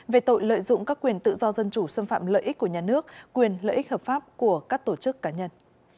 về tội lợi dụng các quyền tự do dân chủ xâm phạm lợi ích của nhà nước quyền lợi ích hợp pháp của các tổ chức cá nhân